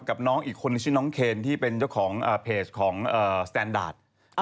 น้องอีกคนนึงชื่อน้องเคนที่เป็นเจ้าของเพจของสแตนดาร์ด